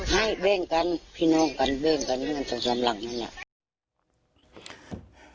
ให้เบ้งกันพี่น้องกันเบ้งกันมันต้องทำหลังนั้น